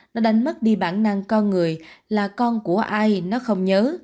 nó đánh mất đi bản năng con người là con của ai nó không nhớ